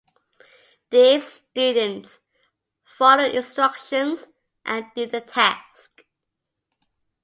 Dear students, follow the instructions and do the tasks.